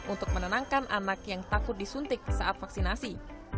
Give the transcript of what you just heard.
untuk menenangkan anak yang takut disuntik saat vaksinasi